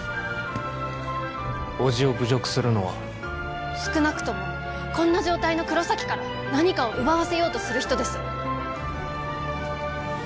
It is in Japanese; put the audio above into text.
叔父を侮辱するのは少なくともこんな状態の黒崎から何かを奪わせようとする人です